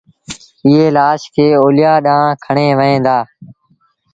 ائيٚݩ لآش کي اوليآ ڏآݩهݩ کڻي وهيݩ دآ